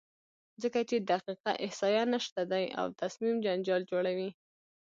ځکه چې دقیقه احصایه نشته دی او تصمیم جنجال جوړوي،